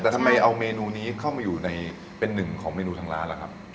แต่ทำไมเอาเมนูนี้เข้ามาอยู่ในเป็นหนึ่งของเมนูทางร้านล่ะครับ